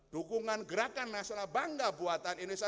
dukungan gerakan nasional bangga buatan indonesia